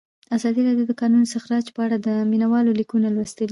ازادي راډیو د د کانونو استخراج په اړه د مینه والو لیکونه لوستي.